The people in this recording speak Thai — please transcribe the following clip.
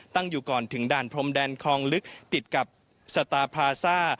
อยู่ก่อนถึงด่านพรมแดนคลองลึกติดกับสตาร์พลาซ่า